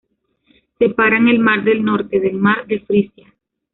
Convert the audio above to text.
Separan el mar del Norte del mar de Frisia.